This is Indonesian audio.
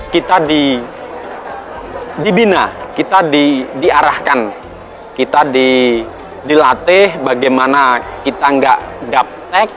kita dibina kita diarahkan kita dilatih bagaimana kita nggak gaptek